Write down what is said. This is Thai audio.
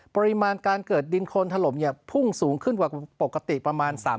ปริมาณการเกิดดินโครนถล่มพุ่งสูงขึ้นกว่าปกติประมาณ๓เท่า